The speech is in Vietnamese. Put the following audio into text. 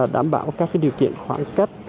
đảm bảo các điều kiện khoảng cách